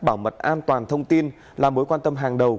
bảo mật an toàn thông tin là mối quan tâm hàng đầu